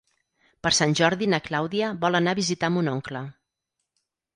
Per Sant Jordi na Clàudia vol anar a visitar mon oncle.